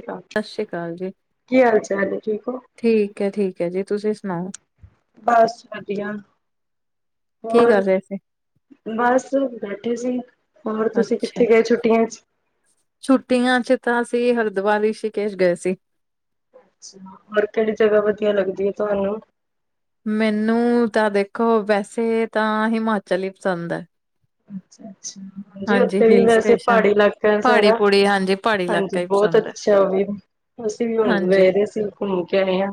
ਸ਼੍ਰੀ ਅਕਾਲ ਸਤਿ ਸ੍ਰੀ ਅਕਾਲ ਜੀ। ਕੀ ਹਾਲ ਚਾਲ ਹੈ ਠੀਕ ਹੋ ਠੀਕ ਹੈ-ਠੀਕ ਹੈ ਜੀ, ਤੁਸੀਂ ਸੁਣਾਓ? ਬਸ ਵਧੀਆ, ਕੀ ਹੋਰ? ਕਰ ਰਹੇ ਸੀ? ਬਸ ਬੈਠੇ ਸੀ। ਹੋਰ ਤੁਸੀਂ ਅੱਛਾ, ਕਿੱਥੇ ਗਏ ਛੁੱਟੀਆਂ ਚ? ਛੁੱਟੀਆਂ ਚ ਤਾਂ ਅਸੀ ਹਰਿਦੁਵਾਰ ਰਿਸੀਕੇਸ਼ ਗਏ ਸੀ। ਅੱ ਹੋਰ ਕਿਹੜੀ ਜਗ੍ਹਾ ਵਧੀਆ ਲੱਗਦੀ ਹੈ ਤੁਹਾਨੂੰ? ਮੈਨੂੰ ਤਾਂ ਦੇਖੋ, ਵੈਸੇ ਤਾਂ ਹਿਮਾਚਲ ਹੀ ਪਸੰਦ ਹੈ। ਅੱਛਾ-ਅੱਛਾ। ਹਾਂਜੀ। ਉੱਥੇ ਵੀ ਹਿਲ ਵੈਸੇ ਸਟੇਸ਼ਨ ਪਹਾੜੀ ਇਲਾਕਾ ਹੈ ਪਹਾੜੀ ਸਾਰਾ। ਪੂੜੀ ਹਾਂਜੀ ਪਹਾੜੀ ਹਾਂਜੀ, ਇਲਾਕਾ ਹੀ ਬਹੁਤ ਪਸੰਦ ਹੈ, ਅੱਛਾ ਉਹ ਵੀ। ਅਸੀਂ ਵੀ ਹੁਣ ਹਾਂਜੀ। ਗਏ ਦੇ ਸੀ। ਘੁੰਮ ਕੇ ਆਏ ਹਾਂ।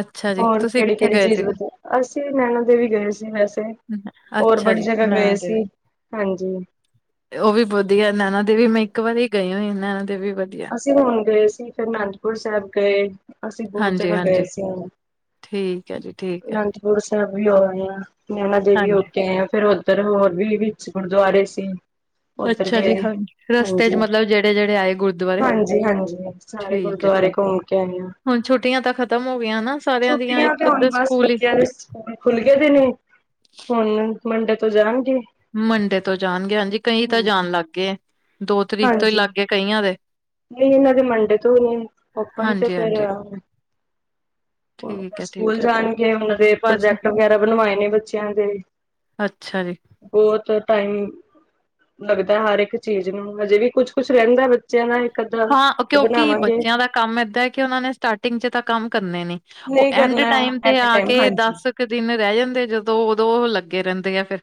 ਅੱਛਾ ਜੀ, ਹੋਰ ਤੁਸੀਂ ਕਿਹੜੀ- ਕਿੱਥੇ ਕਿਹੜੀ ਗਏ ਚੀਜ਼ ਸੀ? ਵ, ਅਸੀਂ ਨੈਣਾ ਦੇਵੀ ਗਏ ਸੀ ਵੈਸੇ। ਹੋਰ ਅੱਛਾ ਬੜੀ ਜੀ, ਜਗ੍ਹਾ ਨੈਣਾ ਗਏ ਦੇਵੀ। ਸੀ, ਹਾਂਜੀ। ਉਹ ਵੀ ਵਧੀਆ, ਨੈਣਾ ਦੇਵੀ ਮੈਂ ਇੱਕ ਵਾਰੀ ਗਈ ਹੋਈ ਨੈ ਦੇਵੀ ਵਧੀਆ। ਅਸੀਂ ਹੁਣ ਗਏ ਸੀ, ਫਿਰ ਅਨੰਦਪੁਰ ਸਾਹਿਬ ਗਏ ਅਸੀਂ ਬਹੁਤ ਹਾਂਜੀ, ਜਗ੍ਹਾ ਗਏ ਹਾਂਜੀ ਸੀ ਹੁਣ। ਠੀਕ ਹੈ ਜੀ ਠੀਕ ਹੈ। ਗੁਰੂ ਸਾਹਿਬ ਵੀ ਹੋ ਆਏ ਆ, ਨੈਣਾ ਦੇਵੀ ਹੋ ਹਾਂਜੀ। ਕੇ ਆਏ ਆ ਫੇਰ ਇਧਰ ਹੋਰ ਵੀ ਵਿੱਚ ਗੁਰਦੁਆਰੇ ਸੀ। ਉੱਧਰ ਅੱਛਾ ਜੀ ਗਏ। ਹਾਂਜੀ ਰਸਤੇ ਚ ਮਤਲਬ ਜਿਹੜੇ -ਜਿਹੜੇ ਆਏ ਗੁਰਦੁਆਰੇ ਹਾਂਜੀ- ਹਾਂਜੀ ਸਾਰੇ ਠੀਕ ਹੈ ਗੁਰਦੁਆਰੇ ਠੀਕ ਘੁੰਮ ਕੇ ਆਏ ਹਾਂ। ਹੁਣ ਛੁੱਟੀਆਂ ਤਾਂ ਖ਼ਤਮ ਹੋ ਗਈਆਂ ਨਾ ਸਾਰਿਆਂ ਦੀਆਂ ਛੁੱਟੀਆਂ ਤੇ ਹੁਣ ਇੱਕੱਧ ਬਸ ਸਕੂਲ ਹੀ। ਬੱਚਿਆਂ ਸਕੂਲ ਖੁੱਲ ਗਏ ਦੇ ਨੇ, ਹੁਣ ਮੰਡੇ ਤੋਂ ਜਾਣਗੇ। ਮੰਡੇ ਤੋਂ ਜਾਣਗੇ ਹਾਂਜੀ ਕਈ ਤਾਂ ਹਾਂਜੀ, ਜਾਣ ਲੱਗ ਗਏ ਦੋ ਤਰੀਕ ਤੋਂ ਹੀ ਹਾਂਜੀ, ਲੱਗ ਗਏ ਕਈਆਂ ਦੇ। ਨਹੀਂ ਇਹਨਾਂ ਦੇ ਮੰਡੇ ਤੋਂ ਨਹੀਂ ਓਪਨ ਤੇ ਹਾਂਜੀ ਫੇਰ ਹਾਂਜੀ ਫ ਠੀਕ ਹੈ ਸਕੂਲ ਠੀਕ ਹੈ ਜਾਣਗੇ ਉਹਨਾ ਦੇ ਬਸ ਪ੍ਰੋਜੈਕਟ ਵਗੈਰਾ ਬਣਵਾਏ ਨੇ ਬੱਚੇ ਬੱਚਿਆਂ ਦੇ। ਅੱਛਾ ਜੀ। ਬਹੁਤ ਟਾਈਮਿੰਗ ਲੱਗਦਾ ਹਰ ਇੱਕ ਚੀਜ਼ ਨੂੰ, ਅਜੇ ਵੀ ਕੁਛ ਕੁੱਛ ਰਹਿੰਦਾ ਬੱਚਿਆਂ ਦਾ। ਅੱਧਾ ਹਾਂ ਉਹ ਕਿਉਂਕਿ ਬਣਾਵਾਂਗੇ ਬੱਚਿਆਂ ਦਾ ਕੰਮ ਏਦਾਂ ਐ ਕਿ ਉਹਨਾਂ ਨੇ ਸਟਾਰਟਿੰਗ 'ਚ ਤਾਂ ਕੰਮ ਕਰਨੇ ਨੇ। ਉਹ ਨਹੀਂ ਐਂਡ ਕਰਨਾ ਟਾਈਮ ਤੇ ਐਟ ਏ ਆ ਟਾਈਮ ਕੇ ਹਾਂਜੀ ਦਸ ਕੁ ਦਿਨ ਰਹਿ ਜਾਂਦੇ ਜਦੋਂ ਉਦੋਂ ਲੱਗੇ ਰਹਿੰਦੇ ਆ ਫਿਰ।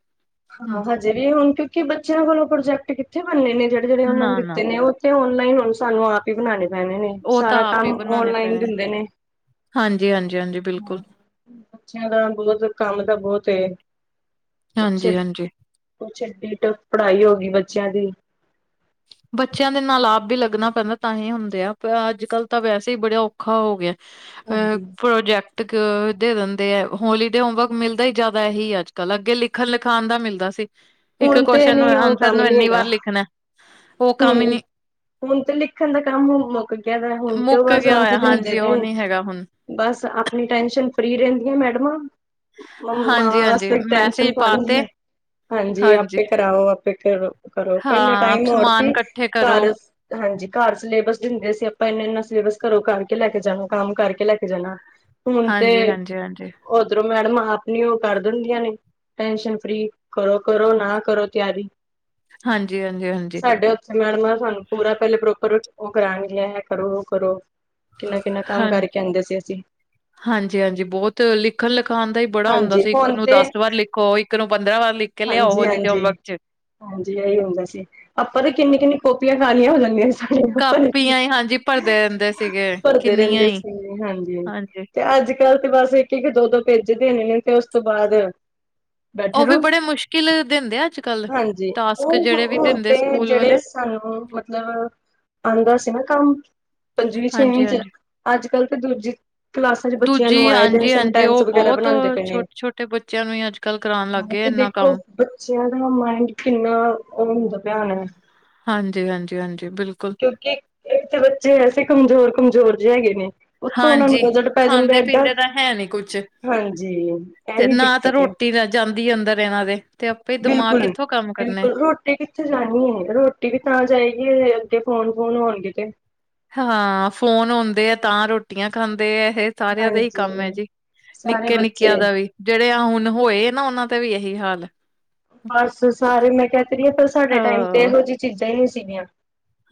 ਹਮ, ਹਾਂ। ਹਜੇ ਵੀ ਹੁਣ ਕਿਉਂਕਿ ਬੱਚਿਆਂ ਕੋਲੋਂ ਪ੍ਰੋਜੈਕਟ ਕਿੱਥੇ ਬਣਨੇ ਨੇ ਜਿਹੜੇ ਜਿਹੜੇ ਉਹਨਾਂ ਨੇ ਨਾ ਨਾ ਦਿੱਤੇ ਨੇ ਉਹ। ਤੇ ਓਨਲਾਈਨ ਹੁਣ ਸਾਨੂੰ ਆਪ ਹੀ ਬਣਾਣੇ ਪੈਣੇ ਨੇ। ਉਹ ਤਾਂ ਸਾਰਾ ਆਪ ਹੀ ਕੰਮ ਬਣਾਉਣੇ ਓਨਲਾਈਨ ਪੈਣੇ ਦਿੰਦੇ ਨੇ। ਹਾਂਜੀ ਹਾਂਜੀ ਹਾਂਜੀ ਬਿਲਕੁਲ। ਹਾਂ ਬੱਚਿਆਂ ਦਾ ਬਹੁਤ ਕੰਮ ਤਾਂ ਬਹੁਤ। ਕੁਛ ਹਾਂਜੀ ਹਾਂਜੀ ਕੁਛ ਡਟ ਪੜ੍ਹਾਈ ਹੋ ਗਈ ਬੱਚਿਆਂ ਦੀ। ਬੱਚਿਆਂ ਦੇ ਨਾਲ ਆਪ ਵੀ ਲੱਗਣਾ ਪੈਂਦਾ ਤਾਂ ਹੀ ਹੁੰਦੇ ਆ। ਪਰ ਅੱਜ ਕੱਲ ਤਾਂ ਵੈਸੇ ਹੀ ਬੜਾ ਔਖਾ ਹੋ ਗਿਆ। ਅ ਹਾਂਜੀ ਪ੍ਰੋਜੈਕਟ। ਦੇ ਦਿੰਦੇ ਆ। ਹੋਲੀਡੇ ਹੋਮਵਰਕ ਮਿਲਦਾ ਹੀ ਜ਼ਿਆਦਾ ਇਹੀ ਅੱਜ ਕੱਲ੍ਹ। ਅੱਗੇ ਲਿਖਣ ਲਿਖਾਉਣ ਦਾ ਮਿਲਦਾ ਸੀ। ਇੱਕ ਹੁਣ ਤੇ ਕੁਸ਼ਚਨ ਨੀ ਉਹ ਆਂਸਰ ਕੰਮ ਨੂੰ ਨੀ ਇੰਨੀ ਹੈਗਾ ਵਾਰ ਲਿਖਣਾ। ਉਹ ਕੰਮ ਹੀ ਹੁਣ ਨਹੀਂ। ਹੁਣ ਤੇ ਲਿਖਣ ਦਾ ਕੰਮ ਮੁੱਕ ਗਿਆਦਾ। ਹੁਣ ਤੇ ਉਹ ਮੁੱਕ ਬਸ ਆ ਗਿਆ ਹੋਇਆ ਹੀ ਦਿੰਦੇ ਹਾਂਜੀ ਉਹ ਨੇ। ਨੀ ਹੈਗਾ ਹੁਣ ਬਸ ਆਪਣੀ ਟੈਨਸ਼ਨ ਫ੍ਰਰੀ ਰਹਿੰਦੀਆਂ ਮੈਡਮਾਂ। ਹਾਂਜੀ ਮਾਵਾਂ ਵੱਸ ਹਾਂਜੀ ਮੈਸੇਜ ਟੈਂਨਸ਼ਨ ਪਾਉਣੀ ਪਾਤੇ ਹੈ। ਹਾਂਜੀ ਆਪੇ ਕਰਾਓ। ਆਪੇ ਕਰੋ ਕਰੋ। ਪਹਿਲਾ ਹਾਂ ਟਾਈਮ ਹੋਰ ਸਮਾਨ ਸੀ। ਇਕੱਠੇ ਕਰੋ ਘਰ। ਹਾਂਜੀ ਘਰ ਸਿਲੇਬਸ ਦਿੰਦੇ ਸੀ। ਆਪਾਂ ਇਨਾ ਇਨਾ ਸਿਲੇਬਸ ਘਰੋਂ ਕਰਕੇ ਲੈ ਕੇ ਜਾਣਾ। ਕੰਮ ਕਰਕੇ ਲੈ ਕੇ ਜਾਣਾ। ਹੁਣ ਤੇ ਹਾਂਜੀ ਹਾਂਜੀ ਹਾਂਜੀ ਉਧਰੋਂ ਮੈਡਮ ਆਪ ਨੀ ਉਹ ਕਰ ਦਿੰਦੀਆਂ ਨੇ। Tension free. ਕਰੋ ਕਰੋ ਨਾ ਕਰੋ ਤਿਆਰੀ। ਹਾਂਜੀ ਹਾਂਜੀ ਹਾਂਜੀ। ਤੇ ਮੈਡਮ ਆ ਸਾਨੂੰ ਪੂਰਾ ਪਹਿਲੇ ਪ੍ਰੋਪਰ ਉਹ ਕਰਨਗੀਆਂ ਕਰੋ। ਉਹ ਕਰੋ। ਕਿੰਨਾ-ਕਿੰਨਾ ਕੰਮ ਕਰਕੇ ਆਉਂਦੇ ਸੀ ਅਸੀਂ। ਹਾਂ ਜੀ ਹਾਂ ਜੀ ਬਹੁਤ ਲਿਖਣ ਲਿਖਾਣ ਦਾ ਹੀ ਬੜਾ ਹੁੰਦਾ ਹਾਂਜੀ ਸੀ। ਇੱਕ ਹੁਣ ਨੂੰ ਦਸ ਵਾਰ ਲਿਖੋ। ਇੱਕ ਨੂੰ ਪੰਦਰਾਂ ਵਾਰ ਲਿਖੋ। ਹਾਂ ਜੀ ਹਾਂ ਜੀ। ਹਾਂਜੀ ਇਹੀ ਹੁੰਦਾ ਸੀ। ਆਪਾਂ ਤਾਂ ਕਿੰਨੀ ਕਿੰਨੀ ਕੋੋਪੀਆਂ ਖਾਣੀਆਂ ਹੋ ਜਾਂਦੀਆਂ ਸੀ। ਭ ਕਾਪੀਆਂ ਹੀ ਹਾਂਜੀ ਭਰਦੇ ਰਹਿੰਦੇ ਸੀਗੇ ਭਰਦੇ ਕਿੰਨੀਆਂ ਰਹਿੰਦੇ ਹੀ ਸੀ। ਹਾਂ ਜੀ ਹਾਂਜੀ ਤੇ ਅੱਜ। ਗੱਲ ਤੇ ਬਸ ਇੱਕ ਇੱਕ ਇੱਕ ਦੋ ਦੋ ਭੇਜ ਦੇਣੇ ਨੇ ਤੇ ਉਸ ਤੋਂ ਬਾਅਦ ਬੈਠੇ ਉਹ ਵੀ ਰਹੋ। ਬੜੇ ਮੁਸ਼ਕਿਲ ਦਿੰਦੇ ਆ ਅੱਜ-ਕੱਲ ਹਾਂ ਜੀ ਟਾਸਕ ਉਹ ਜਿਹੜੇ ਵੀ ਹੁਣ ਦਿੰਦੇ ਤੇ ਸਕੂਲ ਜਿਹੜੇ। ਵਾਲੇ ਸਾਨੂੰ ਮਤਲਬ ਆਉਂਦਾ ਸੀ ਨਾ ਕੰਮ। ਪੰਜਵੀਂ ਛੇਵੀਂ 'ਚ। ਹਾਂਜੀ-ਹਾਂਜੀ ਅੱਜ ਕੱਲ ਤੇ ਦੂਜੀ। ਕਲਾਸਾਂ ਬੱਚਿਆਂ ਨੂੰ ਦੂਜੀ ਆਏ ਦਿਨ ਹਾਂਜੀ-ਹਾਂਜੀ ਸਟੈਂਸ ਉਹ ਵਗੈਰਾ ਬਹੁਤ ਬਣਾਉਂਦੇ ਪਏ ਨੇ ਛੋਟੇ-ਛੋਟੇ ਬੱਚਿਆਂ ਨੂੰ ਹੀ ਅੱਜ-ਕੱਲ ਕਰਾਉਣ ਲੱਗ ਹਾਂ ਗਏ ਤੇ ਇੰਨਾ ਦੇਖੋ। ਕੰਮ ਬੱਚਿਆਂ ਦਾ ਮਾਇੰਡ ਕਿੰਨਾ ਉਹ ਹੁੰਦਾ ਪਿਆ ਹੋਣਾ। ਹਾਂਜੀ ਹਾਂਜੀ ਹਾਂਜੀ ਬਿਲਕੁਲ। ਕਿਉਂਕਿ ਇੱਕ ਤੇ ਬੱਚੇ ਐਸੇ ਕਮਜ਼ੋਰ ਕਮਜ਼ੋਰ ਜਿਹੇ ਹੈਗੇ ਨੇ। ਉੱਤੋਂ ਹਾਂ ਉਹਨਾਂ ਨੂੰ ਜੀ ਬਜਟ ਪੈ ਜਾਂਦਾ ਖਾਂਦੇ ਏਦਾਂ ਪੀਂਦੇ ਤਾਂ ਹੈ ਨੀ ਕੁਝ। ਹਾਂਜੀ ਇਹੀ ਦਿੱਕਤ ਹੈ। ਜਾਂਦੀ ਅੰਦਰ ਇਹਨਾਂ ਦੇ। ਤੇ ਆਪੇ ਦਿਮਾਗ ਬਿਲਕੁਲ ਕਿੱਥੋਂ ਕੰਮ ਕਰਨੇ ਬਿਲਕੁਲ ਰੋਟੀ ਕਿੱਥੇ। ਜਾਣੀ ਹੈ। ਰੋਟੀ ਵੀ ਤਾਂ ਜਾਏਗੀ ਜਏ ਅੱਗੇ ਫੋਨ ਫੋਨ ਹੋਣਗੇ ਤੇ। ਹਾਂ। ਫੋਨ ਆਉਂਦੇ ਆ ਤਾਂ ਰੋਟੀਆਂ ਖਾਂਦੇ ਆ ਇਹ। ਸਾਰਿਆਂ ਦਾ ਹੀ ਹਾਂਜੀ ਕੰਮ ਹੈ ਜੀ ਸਾਰੇ ਨਿੱਕੇ ਨਿੱਕਿਆਂ ਬੱਚੇ ਦਾ ਵੀ। ਜਿਹੜੇ ਆ ਹੁਣ ਹੋਏ ਨਾ। ਉਹਨਾਂ ਦਾ ਵੀ ਇਹੀ ਹਾਲ ਐ। ਬਸ ਸਾਰੇ ਮੈਂ ਕਹਿ ਤ ਰਹੀ ਹਾਂ ਪਰ ਸਾਡੇ ਟਾਈਮ ਤੇ ਹਾਂ ਇਹੋ ਜਿਹੀ ਚੀਜ਼ਾਂ ਹੀ ਨਹੀਂ ਸੀਗੀਆਂ।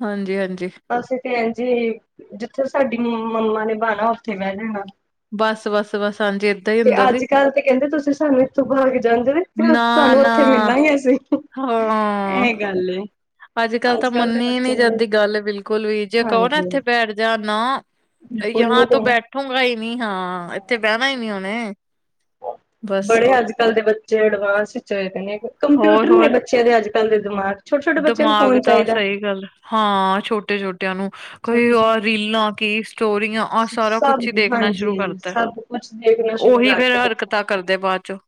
ਹਾਂ ਜੀ ਹਾਂ ਜੀ। ਅਸੀਂ ਤੇ ਜੀ ਜਿੱਥੇ ਸਾਡੀ ਮੰਮਾ ਨੇ ਬੈਠਾਣਾ ਉੱਥੇ ਬਹਿ ਲੈਣਾ। ਬਸ ਬਸ ਬਸ ਹਾਂ ਜੀੇ। ਤੇ ਅੱਜ ਕੱਲ੍ਹ ਤੇ ਕਹਿੰਦੇ ਤੁਸੀਂ ਸਾਨੂੰ ਇੱਥੋਂ ਬਹਾ ਕੇ ਜਾਂਦੇ ਨੇ ਤੇ ਨਾ ਤੁਹਾਨੂੰ ਨਾ ਉੱਥੇ ਮਿਲਾਂਗੇ ਅਸੀਂ। ਹਾਂ। ਇਹ ਗੱਲ ਐ। ਅੱਜ ਕੱਲ੍ਹ ਤਾਂ ਮੰਨੀ ਨਹੀਂ ਜਾਂਦੀ। ਗੱਲ ਬਿਲਕੁਲ ਵੀ ਜੇ ਕਹੋ ਨਾ ਹਾਂਜੀ ਇੱਥੇ ਬੈਠ ਜਾ ਨਾ। ਬਿਲਕੁਲ ਨੀ ਯਹਾਂ ਤੋਂ ਪਏ ਬੈਠੂਗਾ ਹੀ ਨੀ। ਹਾਂ ਇੱਥੇ ਬਹਿਣਾ ਨੀ ਉਹਨੇ। ਬਸ ਬੜੇ ਅੱਜ ਕੱਲ੍ਹ ਦੇ ਬੱਚੇ ਐਡਵਾਂਸ ਚੱਲਦੇ ਨੇ। ਹੋਰ ਕੰਪਿਊਟਰ ਨੇ ਹੋਰ ਬੱਚਿਆਂ ਦੇ ਅੱਜ ਕੱਲ ਦੇ ਦਿਮਾਗ। ਛੋਟੇ ਛੋਟੇ ਬੱਚਿਆਂ ਨੂੰ ਦਿਮਾਗ ਫੋਨ ਤਾਂ ਚਾਹੀਦਾ ਸਹੀ ਗੱਲ ਹੈ ਹਾਂ ਛੋਟੇ ਛੋਟੇ। ਕਈ ਆ ਨੂੰ ਕੋਈ ਛੋਟੇ ਛੋਟੇ ਰੀਲਾਂ ਕੀ ਸਟੋਰੀਆਂ ਆਹ ਸਾਰਾ ਸਭ ਕੁਛ ਹੀ ਦੇਖਣਾ ਸ਼ੁਰੂ ਹਾਂਜੀ ਕਰਤਾ। ਸਭ ਕੁਛ ਦੇਖਣਾ ਸ਼ੁਰੂ ਕਰ। ਫਿਰ ਹਰਕਤਾਂ ਕਰਦੇ ਬਾਅਦ ਚੋਂ।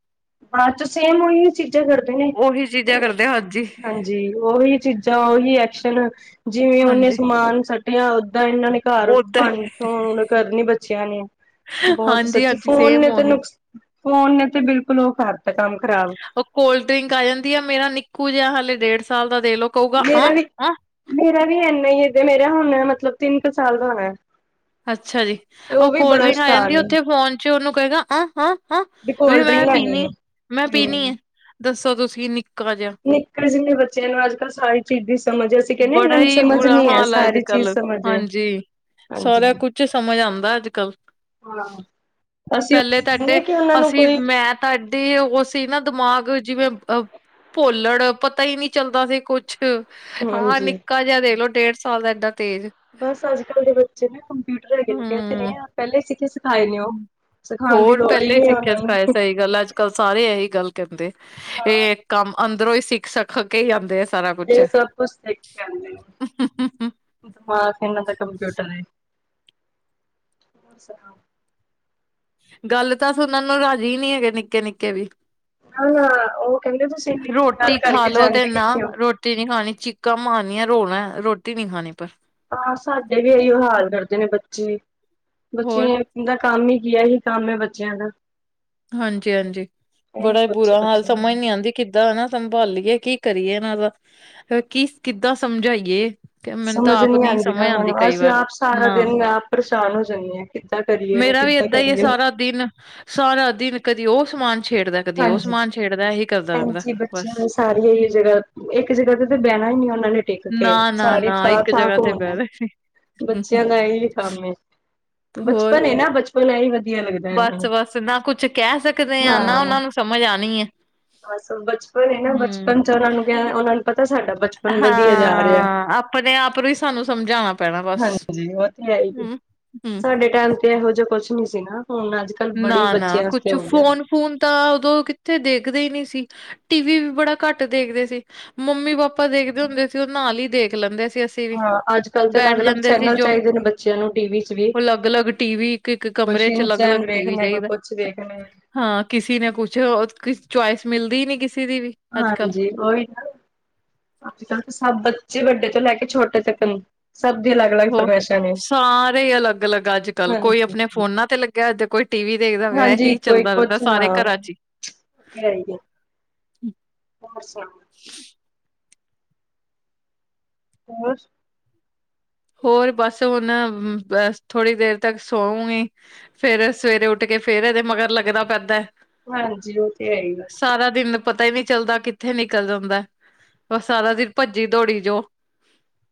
ਬਾਦ ਚ ਸੇਮ ਉਹੀ ਚੀਜ਼ਾਂ ਕਰਦੇ ਨੇ। ਉਹੀ ਚੀਜ਼ਾਂ ਕਰਦੇ ਹਾਂਜੀ ਹਾਂ ਜੀ। ਉਹੀ ਚੀਜ਼ਾਂ ਉਹੀ ਐਕਸ਼ਨ ਜਿਵੇਂ ਉਹਨੇ ਹਾਂਜੀ ਸਮਾਨ ਸੁੱਟਿਆ ਓਦਾਂ ਇਹਨਾਂ ਨੇ। ਘਰ ਓਦਾਂ ਭੰਣ ਕਰਨੀ ਬੱਚਿਆਂ ਨੇ ਹੀ। ਬਹੁਤ ਹਾਂਜੀ ਸੱਚੀ ਹਾਂਜੀ ਫੋਨ ਸੇਮ ਨੇ ਤੇ ਉਹੀ ਨੁਕਸ। ਫੋਨ ਨੇ ਤੇ ਬਿਲਕੁਲ ਉਹ ਕਰਤਾ ਕੰਮ ਖਰਾਬ। ਉਹ ਕੋਲਡ ਡਰਿੰਕ ਆ ਜਾਂਦੀ ਆ ਮੇਰਾ ਨਿੱਕੂ ਜਿਹਾ ਹਾਲੇ ਡੇਢ ਸਾਲ ਦਾ ਦੇ ਲੋੋ ਕਹੂਗਾ। ਮੇਰਾ ਵੀ ਮੇਰਾ ਵੀ ਇਨਾ ਹੀ ਏਦ ਮੇਰਾ ਹੁਣ ਮਤਲਬ ਤਿੰਨ ਕੁ ਸਾਲ ਦਾ ਹੋਣਾ। ਅੱਛਾ ਜੀ ਤੇ ਉਹ ਵੀ ਕੋਲਡ ਬੜਾ ਡਰਿੰਕ ਆ ਸ਼ੈਤਾਨ ਜਾਂਦੀ ਏ ਉੱਥੇ ਫੋਨ ਚ ਉਹਨੂੰ ਕਹਿਗਾ ਹਾਂ। ਵੀ ਕੋਲਡ ਡਰਿੰਕ ਮੈਂ ਲੈਣੀ ਪੀਣੀ ਹੈ ਮੈਂ ਪੀਣੀ ਹਮ ਆ ਦੱਸੋ ਤੁਸੀਂ ਨਿੱਕਾ ਜਿਹਾ। ਨਿੱਕੇ ਜਿੰਨੇ ਬੱਚਿਆਂ ਨੂੰ ਅੱਜ ਕੱਲ੍ਹ ਸਾਰੀ ਚੀਜ਼ ਦੀ ਸਮਝ ਆ। ਤੇ ਕਹਿੰਦੇ ਇਹਨਾਂ ਬੜਾ ਨੂੰ ਹੀ ਸਮਝ ਬੁਰਾ ਨੀ ਆ ਹਾਲ ਹੈ ਅੱਜ ਸਾਰੀ ਕੱਲ ਚੀਜ਼ ਸਮਝ ਹੈ। ਹਾਂਜੀ ਸਾਰਾ ਕੁਝ ਸਮਝ ਆਉਂਦਾ ਅੱਜ ਕੱਲ। ਹਾਂ, ਅਸੀਂ ਉਹ ਕਹਿੰਦੇ ਹ ਕਿ ਉਹਨਾਂ ਨੂੰ ਕੋਈ। ਤੁਹਾਡੀੇ ਉਹ ਸੀ ਨਾ ਦਿਮਾਗ ਜਿਵੇਂ। ਭੁੱਲੜ ਪਤਾ ਹੀ ਨਹੀਂ ਚੱਲਦਾ ਸੀ ਕੁਛ। ਹਾਂ ਹਾਂਜੀ ਨਿੱਕਾ ਜਿਹਾ ਦੇਖ ਲੋਉ ਡੇਢ ਸਾਲ ਦਾ ਏਡਾ ਤੇਜ਼। ਬਸ ਅੱਜ ਕੱਲ ਦੇ ਬੱਚੇ ਨੇ ਕੰਪਿਊਟਰ ਹੈਗੇ ਨੇ ਕਹਿਦੇ ਨੇ ਹਮ ਪਹਿਲੇ ਸਿੱਖੇ ਸਿਖਾਏ ਨੇ ਉਹ। ਸਿਖਾਉਣ ਦੀ ਹੋਰ ਲੋੜ ਪਹਿਲੇ ਹੀ ਨਹੀਂ ਸਿੱਖੇ ਉਹਨਾਂ ਸਿਖਾਏ ਨੂੰ ਸਹੀ ਗੱਲ ਅੱਜ ਕੱਲ ਸਾਰੇ ਇਹੀ ਗੱਲ ਕਹਿੰਦੇ ਹਾਂ ਇਹ। ਕੰਮ ਅੰਦਰੋਂ ਹੀ ਸਿੱਖ ਸਖ ਕੇ ਹੀ ਆਉਂਦੇ ਆ। ਸਾਰਾ ਕੁਛ ਇਹ ਸਭ ਕੁਛ ਸਿੱਖ ਕੇ ਆਦੇ। ਦਿਮਾਗ ਤਾਂ ਇਹਨਾਂ ਦਾ ਕੰਪਊਟਰ ਹੈ ਹੋਰ ਸੁਣਾਓ? ਗੱਲ ਤਾਂ ਸੁਣਨ ਨੂੰ ਰਾਜ਼ੀ ਨਹੀਂ ਹੈਗੇ ਨਿੱਕੇ ਨਿੱਕੇ ਵੀ। ਨਾ-ਨਾ ਉਹ ਕਹਿੰਦੇ ਤੁਸੀਂ ਇੰਨੀ ਗੱਲ ਰੋਟੀ ਖਾ ਕਰਕੇ ਲੋ ਤੇ ਜਾਂਦੇ ਨਾ ਕਿੱਥੇ ਹੋ। ਰੋ। ਤੇ ਨੀ ਖਾਣੀ ਚੀਕਾ ਮਾਰਨੀਆਂ ਰੋਣਾ ਰੋਟੀ ਨੀ ਖਾਣੀ ਪਰ। ਹਾਂ ਸਾਡੇ ਵੀ ਇਹੀਓ ਹਾਲ ਕਰਦੇ ਪਏ ਬੱਚੇ ਹੋਰ ਬੱਚੇ। ਦਾ ਕੰਮ ਹੀ ਕੀ ਹੀ ਇਹੀ ਕੰਮ ਬੱਚਿਆਂ ਦਾ। ਹਾਂਜੀ, ਹਾਂਜੀ ਇਹੀ ਬੜਾ ਕੁਛ ਬੁਰਾ ਹਾਲ ਬੱਚਿਆਂ ਸਮਝ ਨੂੰ। ਨੀ ਆਉਂਦੀ। ਕਿੱਦਾਂ ਹਨ ਨਾ ਸੰਭਾਲੀਏ ਕੀ ਕਰੀਏ ਇਹਨਾਂ ਦਾ ਕੀ ਕਿੱਦਾਂ ਸਮਝਾਈਏ। ਮੈਨੂੰ ਤਾਂ ਸਮਝ ਆਪ ਨੀ ਆਉਂਦੀ ਨਾ ਸਮਝ ਉਹਨਾਂ ਨੂੰ ਕਈ ਅਸੀਂ ਵਾਰ ਆਪ ਸਾਰਾ ਨਾ ਦਿਨ ਆਪ ਪਰੇਸ਼ਾਨ ਹੋ ਜਾਂਦੇ ਹਾਂ। ਕਿੱਦਾਂ ਕਰੀਏ ਇਹਨੂੰ ਮੇਰਾ ਵੀ ਕਿੱਦਾਂ ਏਦਾਂ ਹੀ ਹੈ ਕਰੀਏ ਸਾਰਾ ਦਿਨ ਸਾਰਾ ਦਿਨ ਕਦੀ ਉਹ ਸਮਾਨ ਛੇੜਦਾ। ਕਦੀ ਉਹ ਹਾਂਜੀ, ਸਮਾਨ ਛੇੜਦਾ ਇਹੀ ਕਰਦਾ ਰਹਿੰਦਾ ਹਾਂਜੀ ਬਸ ਬੱਚਿਆਂ ਸਾਰੀਆਂ ਹੀ ਜਗ੍ਹਾ ਇੱਕ ਜਗ੍ਹਾ ਤੇ ਤਾਂ ਬਹਿਣਾ ਹੀ ਨਹੀਂ ਉਹਨਾਂ ਨੇ। ਟਿਕ ਕੇ ਨਾ ਨਾ ਸਾਰੀ ਨਾ ਥਾਂ ਇੱਕ ਥਾਂ ਜਗ੍ਹਾ ਤੇ ਘੁੰਨਣਾ ਬਹਿ ਰਹੇ ਬੱਚਿਆਂ ਦਾ ਇਹ ਕੰਮ ਏ। ਹੋਰ ਬਚਪਨ ਏ ਨਾ ਬਚਪਨ ਐ ਹੀ ਵਧੀਆ ਲੱਗਦਾ। ਇਹਨਾਂ ਬਸ ਨੂੰ ਬਸ ਨਾ ਕੁਛ ਕਹਿ ਸਕਦੇ ਹਾਂ ਨਾ ਉਹਨਾਂ ਨੂੰ ਸਮਝ ਆਉਣੀ ਹੈ। ਬਸ ਬਚਪਨ ਏ ਨਾ ਹੂੰ। ਬਚਪਨ ਚ ਉਹਨਾਂ ਨੂੰ ਕਿਹਾ ਉਹਨਾਂ ਨੂੰ ਪਤਾ ਸਾਡਾ ਬਚਪਨ। ਵਧੀਆ ਜਾ ਰਿਹਾ। ਹਾਂ ਆਪਣੇ ਆਪ ਨੂੰ ਸਾਨੂੰ ਸਮਝਾਉਣਾ ਪੈਣਾ ਬਸ ਹਾਂਜੀ ਉਹ ਤੇ ਹੈ ਹੀ ਹਮ। ਸਾਡੇ ਟਾਈਮ ਤੇ ਇਹੋ ਜਿਹਾ ਕੁਛ ਨੀ ਸੀ ਨਾ ਹੁਣ ਅੱਜ ਕੱਲ। ਨਾ ਨਾ ਕੁਛ ਫੋਨ ਫੂਨ। ਤਾਂ ਉਦੋਂ ਕਿੱਥੇ ਦੇਖਦੇ ਹੀ ਨਹੀਂ ਸੀ। ਟੀ ਵੀ ਵੀ ਬੜਾ ਘੱਟ ਦੇਖਦੇ ਸੀ ਮੰਮੀ ਪਾਪਾ। ਪਾਪਾ ਦੇਖਦੇ ਹੁੰਦੇ ਸੀ ਉਹ ਨਾਲ ਹੀ ਦੇਖ ਲੈਂਦੇ ਸੀ। ਅਸੀਂ ਵੀ। ਹਾਂ ਅੱਜ ਕੱਲ੍ਹ ਤੇ ਅਲੱਗ ਬੈਠ ਅਲੱਗ ਜਾਂਦੇ ਸੀ ਚੈਨਲ ਜੋ ਚਾਹੀਦੇ ਨੇ। ਬੱਚਿਆਂ ਨੂੰ ਟੀਵੀ ਚ ਵੀ। ਅਲੱਗ-ਅਲੱਗ ਟੀਵੀ ਇੱਕ-ਇੱਕ ਕੋਈ ਕਮਰੇ 'ਚ ਸਿੰਚ ਅਲੱਗ-ਅਲੱਗ ਚੈਨ ਟੀਵੀ ਦੇਖਣਾ ਕੋਈ ਚਾਹੀਦਾ। ਕੁਛ ਵੇਖਣਾ। ਹਾਂ ਕਿਸੇ ਨੇ ਕੁਛ ਚੁਆਇਸ ਮਿਲਦੀ ਨੀ ਕਿਸੇ ਦੀ ਵੀ। ਅੱਜ-ਕੱਲ। ਹਾਂਜੀ, ਉਹੀ ਨਾ ਅੱਜ ਕੱਲ ਤਾਂ ਸਭ ਬੱਚੇ ਵੱਡੇ ਤੋਂ ਲੈ ਕੇ ਛੋਟੇ। ਤੱਕ ਸਭ ਦੀ ਅਲੱਗ ਅਲੱਗ ਹੋਰ ਫਰਮਾਇਸ਼ਾਂ ਨੇ ਸਾਰੇ ਅਲੱਗ ਅਲੱਗ ਅੱਜ ਕੱਲ ਕੋਈ ਹਾਂਜੀ ਆਪਣੇ ਫੋਨਾਂ ਤੇ ਲੱਗੇ। ਅੱਜ ਕੋਈ ਟੀ ਵੀ ਦੇਖਦਾ ਹੋਇਆ ਹਾਂਜੀ ਇਹੀ ਕੋਈ ਚੱਲਦਾ ਰਹਿੰਦਾ ਕੁਛ ਸਾਰੇ ਹਾਂ। ਘਰਾਂ ਉਹ ਚ ਹੀ ਹੋਰ ਸੁਣਾਉ? ਹੋਰ। ਹੋਰ ਬਸ ਹੁਣ ਬਸ ਥੋੜ੍ਹੀ ਦੇਰ ਤੱਕ ਸੋਉਗੀ। ਫੇਰ ਸਵੇਰੇ ਉੱਠ ਕੇ ਫੇਰ ਐਦੇ ਮਗਰ ਲੱਗਣਾ ਪੈਂਦਾ। ਹਾਂਜੀ, ਉਹ ਤੇ ਹੈ ਹੀ ਹੈ। ਸਾਰਾ ਦਿਨ ਪਤਾ ਹੀ ਨਹੀਂ ਚੱਲਦਾ, ਕਿੱਥੇ ਨਿਕਲ ਜਾਂਦਾ ਉਹ ਸਾਰਾ ਦਿਨ ਭੱਜੀ ਦੌੜੀ ਜੋ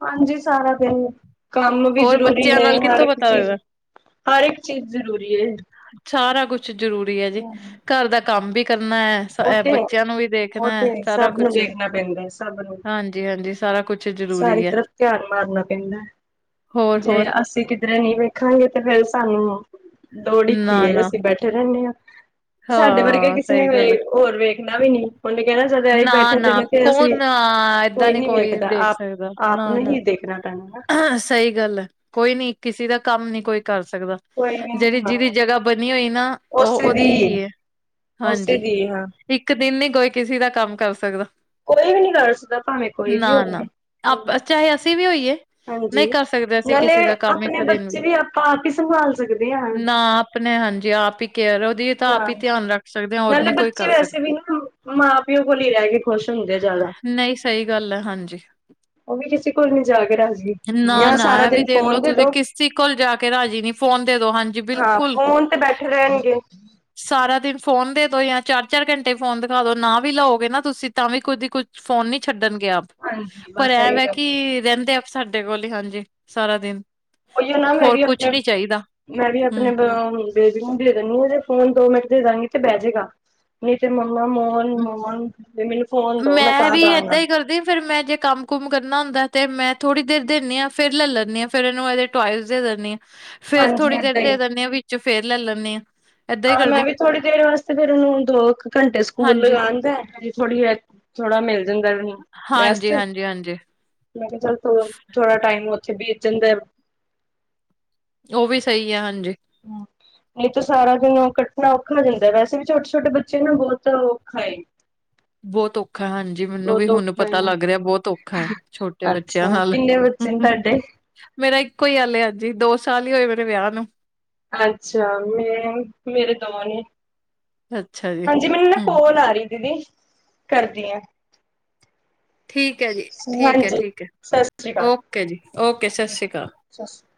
ਹਾਂਜੀ ਸਾਰਾ ਦਿਨ, ਕੰਮ ਵੀ ਹੋਰ ਜ਼ਰੂਰੀ ਬੱਚਿਆਂ ਨੇ, ਨਾਲ ਹਰ ਕਿੱਥੋਂ ਇੱਕ ਪਤਾ ਚੀਜ਼ ਲੱਗਦਾ ਹਰ ਇੱਕ ਚੀਜ਼ ਜ਼ਰੂਰੀ ਹੈ। ਸਾਰਾ ਕੁਛ ਜਰੂਰੀ ਹੈ, ਜੀ ਘਰ ਦਾ ਕੰਮ ਵੀ ਕਰਨਾ ਉਹ ਹੈ। ਤੇ ਬੱਚਿਆਂ ਨੂੰ ਵੀ ਉਹ ਦੇਖਣਾ ਹੈ, ਤੇ ਸਾਰਾ ਸਭ ਨੂੰ ਕੁਛ ਵੇਖਣਾ ਪੈਂਦਾ ਹੈ ਸਭ ਨੂੰ ਹਾਂਜੀ-ਹਾਂਜੀ ਸਾਰਾ ਕੁਛ ਜ਼ਰੂਰੀ ਸਾਰੀ ਹੈ। ਤਰਫ ਧਿਆਨ ਮਾਰਨਾ ਪੈਂਦਾ ਹੈ, ਜੇ ਹੋਰ-ਹੋਰ ਅਸੀਂ ਕਿਧਰੇ ਨਹੀਂ ਵੇਖਾਂਗੇ ਤੇ ਫੇਰ ਸਾਨੂੰ ਲੋੜੀ ਕੀ ਹੈ ਨਾ-ਨਾ ਅਸੀਂ ਬੈਠੇ ਰਹਿੰਦੇ ਹਾਂ, ਸਾਡੇ ਵਰਗੇ ਹਾਂ ਕਿਸੇ ਨੇ ਸਹੀ ਗੱਲ ਹੋਏ। ਹੈ ਹੋਰ ਵੇਖਣਾ ਵੀ ਨੀ, ਉਹਨੇ ਕਹਿਣਾ ਜਦ ਅਸੀ ਨਾ ਬੈਠੇ ਦੇ ਨਾ ਨੇ ਤੇ ਅਸੀਂ ਕੌਣ ਏਦਾਂ ਕੋਈ ਨੀ ਵੇਖਦਾ, ਦੇਖ ਆਪ ਸਕਦਾ ਆਪ ਨਾ ਨੂੰ ਨਾ ਹੀ ਦੇਖਣਾ। [unintelligible] ਸਹੀ ਗੱਲ ਹੈ, ਕੋਈ ਨੀ ਕਿਸੇ ਦਾ ਕੰਮ ਨੀ ਕੋਈ ਕਰ ਸਕਦਾ। ਕੋਈ ਵੀ ਨੀ ਜਿਹੜੀ ਹਾਂ ਜਿਹਦੀ ਜਗ੍ਹਾ ਬਣੀ ਹੋਈ ਨਾ ਉਹ ਉਸੇ ਉਹਦੀ ਈ ਦੀ ਐ, ਉਸੇ ਦੀ ਹਾਂ, ਇੱਕ ਦਿਨ ਨੀ ਕੋਈ ਕਿਸੇ ਦਾ ਕੰਮ ਕਰ ਸਕਦਾ। ਕੋਈ ਵੀ ਨੀ ਕਰ ਸਕਦਾ, ਭਾਵੇਂ ਕੋਈ ਨਾ ਵੀ ਨਾ ਹੋਵੇ। ਆਪ ਹੂੰ, ਚਾਹੇ ਅਸੀਂ ਵੀ ਹੋਈਏ। ਨਹੀਂ ਹਾਂਜੀ, ਕਰ ਸਕਦੇ, ਅਸੀਂ ਨਾਲੇ ਕਿਸੇ ਦਾ ਕੰਮ ਆਪਣੇ ਇੱਕ ਦਿਨ ਵੀ ਬੱਚੇ ਆਪਾਂ ਆਪ ਹੀ ਸੰਭਾਲ ਸਕਦੇ ਹਾਂ। ਨਾ, ਆਪਣੇ ਹਾਂਜੀ ਆਪ ਹੀ ਕੇਅਰ ਉਹਦੀ ਤਾਂ ਆਪ ਹਾਂ, ਹੀ ਧਿਆਨ ਰੱਖ ਸਕਦੇ ਹਾ, ਹੋਰ ਨੀ ਨਾਲੇ ਕੋਈ ਬੱਚੇ ਕਰ ਵੈਸੇ ਸਕਦਾ। ਵੀ ਨਾ ਮਾਂ ਪਿਓ ਕੋਲ ਹੀ ਰਹਿਗੇ। ਨਹੀਂ ਸਹੀ ਗੱਲ ਹੈ ਹਾਂਜੀ। ਉਹ ਵੀ ਕਿਸੇ ਕੋਲ ਨੀ ਜਾ ਕੇ ਰਾਜ਼ੀ ਨਾ ਜਾਂ ਨਾ ਸਾਰਾ ਇਹ ਵੀ ਦਿਨ ਦੇਖਲੋ, ਫੋਨ ਦੇ ਤੁਸੀਂ ਦੋ ਕਿਸੀ ਕੋਲ ਜਾ ਕੇ ਰਾਜੀ ਨੀ, ਫੋਨ ਦੇ ਦੋ ਹਾਂਜੀ ਹਾਂ ਬਿਲਕੁਲ ਫੋਨ ਤੇ ਬੈਠੇ ਰਹਿਣਗੇ ਸਾਰਾ ਦਿਨ ਫੋਨ ਦੇ ਦੋ ਜਾਂ ਚਾਰ-ਚਾਰ ਘੰਟੇ ਫੋਨ ਦਿਖਾ ਦੋ ਨਾ, ਵੀ ਲਾਓਗੇ, ਨਾ ਤੁਸੀਂ ਤਾਂ ਵੀ ਕੋਦੀ ਕੁਛ ਫੋਨ ਨਹੀਂ ਛੱਡਣਗੇ, ਆਪ ਹਾਂਜੀ ਪਰ ਬਸ ਐ ਇਹੀ ਵ ਗੱਲ ਕਿ ਰਹਿੰਦੇ ਆ ਸਾਡੇ ਕੋਲ ਹੀ ਹਾਂਜੀ ਸਾਰਾ ਦਿਨ ਉਹੀ ਹੈ ਨਾ ਮੈਂ ਹੋਰ ਵੀ ਕੁਛ ਆਪਣੇ ਨੀ ਚਾਹੀਦਾ ਮੈਂ ਵੀ ਆਪਣੇ ਹੂੰ। ਵੇ ਦੇ ਦਿੰਦੀ ਫੋਨ ਦੋ ਮਿੰਟ ਦੇ ਦਵਾਂਗੇ ਤੇ ਬਹਿ ਜਾਏਗਾ। [unintelligible] ਮੈਂ ਤਾਂ ਵੀ ਦਾਂਗਾ ਏਦਾਂ ਹੀ ਕਰਦੀ ਫੇਰ ਮੈਂ ਜੇ ਕੰਮ ਘੁੰਮ ਕਰਨਾ ਹੁੰਦਾ ਤੇ, ਮੈਂ ਥੋੜ੍ਹੀ ਦੇਰ ਦਿੰਦੀ ਆ ਫੇਰ ਲੈ ਲੈਂਦੀ ਆਾਂ ਫਿਰ ਇਹਨੂੰ ਇਹਦੇ ਟਇਸ ਦੇ ਦਿੰਦੀ ਆਾਂ ਫੇਰ ਹਾਂਜੀ ਥੋੜ੍ਹੀ ਦੇਰ ਏਦਾਂ ਹੀ ਦੇ ਦਿੰਦੇ ਹਾਂ, ਵਿੱਚ ਫੇਰ ਲੈ ਲੈਂਦੇ ਹਾਂ ਹਾਂ, ਮੈਂ ਵੀ ਥੋੜੀ ਦੇਰ ਵਾਸਤੇ ਫੇਰ ਉਹਨੂੰ ਦੋ ਕੁ ਘੰਟੇ ਸਕੂਲ ਹਾਂਜੀ, ਲਗਾਦਾ ਥੋੜ੍ਹੀ ਜ ਥੋੜਾ ਮਿਲ ਜਾਂਦਾ ਰੈਸਟ ਹਾਂਜੀ, ਹਾਂਜੀ, ਹਾਂਜੀ। ਮੈਂ ਕਿਹਾ, ਚੱਲ ਥੋੜ੍ਹਾ ਟਾਈਮ ਉੱਥੇ ਬੇਜਣ ਦਾ ਉਹ ਵੀ ਸਹੀ ਹੈ ਹਾਂਜੀ ਹੂੰ ਨਹੀਂ ਤਾਂ, ਸਾਰਾ ਦਿਨ ਕੱਟਣਾ ਔਖਾ ਜਾਂਦਾ ਵੈਸੇ ਵੀ ਛੋਟੇ- ਛੋਟੇ ਬੱਚੇ ਨਾ ਬਹੁਤ ਔਖਾ ਏ ਬਹੁਤ ਔਖਾ ਹਾਂਜੀ, ਮੈਨੂੰ ਵੀ ਬਹੁਤ ਹੁਣ ਔਖਾ ਏ ਪਤਾ ਲੱਗ ਰਿਹਾ ਬਹੁਤ ਔਖਾ ਛੋਟੇ ਬੱਚਿਆਂ ਅੱਛਾ ਨਾਲ [unintelligible] ਮੇਰਾ ਇੱਕੋ ਹੀ ਹਾਲੇ ਹਜੀ, ਦੋ ਸਾਲ ਹੀ ਹੋਏ ਮੇਰੇ ਵਿਆਹ ਨੂੰ ਅੱਛਾ, ਮੇ ਮੇਰੇ ਦੋ ਨੇ ਅੱਛਾ ਜੀ ਹਾਂਜੀ, ਮੈਨੂੰ ਨਾ ਹਮ ਕਾਲ ਆ ਰਹੀ ਦੀਦੀ ਕਰਦੀ ਆ ਠੀਕ ਹੈ ਜੀ, ਠੀਕ ਹੈ, ਹਾਂਜੀ ਠੀਕ ਹੈ, ਸਤਿ ਸ੍ਰੀ ਅਕਾਲ। ਓਕੇ ਜੀ, ਓਕੇ ਸਤਿ ਸ਼੍ਰੀ ਅਕਾਲ। [unintelligible]